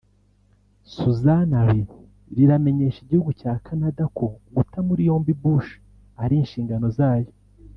Susan Lee riramenyesha igihugu cya Canada ko guta muri yombi Bush ari inshingano zayo